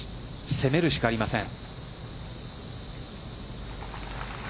攻めるしかありません。